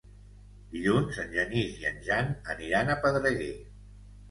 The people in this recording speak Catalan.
Dilluns en Genís i en Jan aniran a Pedreguer.